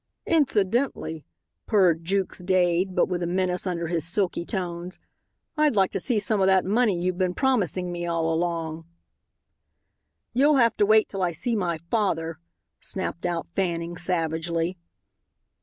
"Incidentally," purred Jukes Dade, but with a menace under his silky tones, "I'd like to see some of that money you've been promising me all along." "You'll have to wait till I see my father," snapped out Fanning savagely.